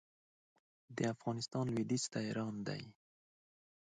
د افغانستان لوېدیځ ته ایران موقعیت لري.